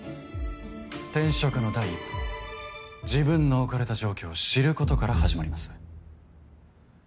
転職の第一歩は自分の置かれた状況を知ることから始まります。